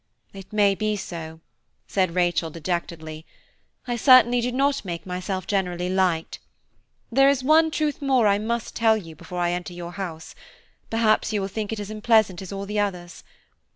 "It may be so," said Rachel dejectedly; "I certainly do not make myself generally liked. There is one truth more I must tell you before I enter your house–perhaps you will think it as unpleasant as all the others.